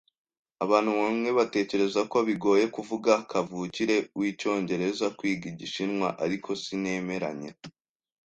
Abantu bamwe batekereza ko bigoye kuvuga kavukire wicyongereza kwiga Igishinwa, ariko sinemeranya.